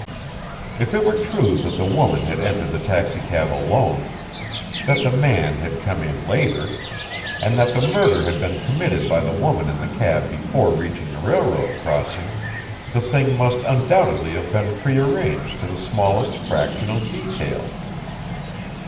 If it were true that the woman had entered the taxicab alone, that the man had come in later, and that the murder had been committed by the woman in the cab before reaching the railroad crossing, the thing must undoubtedly have been prearranged to the smallest fractional detail.